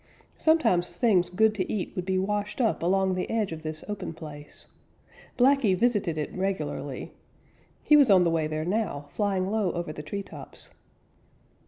Sometimes things good to eat would be washed up along the edge of this open place. Blacky visited it regularly. He was on the way there now, flying low over the tree tops.